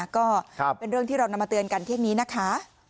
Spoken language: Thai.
ก็เป็นเรื่องที่เรานำมาเตือนกันเที่ยงนี้นะคะ